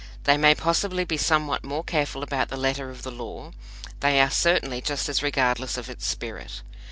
They may possibly be somewhat more careful about the letter of the law; they are certainly just as regardless of its spirit.